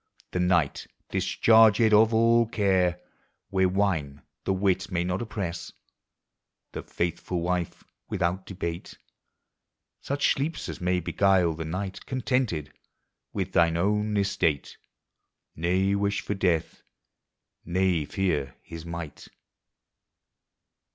31 :) The night discharged of all care, Where wine the wit may not oppress; The faithful wife, without debate; Such sleeps as may beguile the night; Contented with thine own estate, Ne wish for death, ne fear his might.